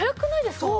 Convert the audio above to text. そう！